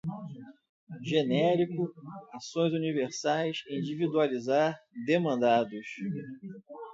genérico, ações universais, individualizar, demandados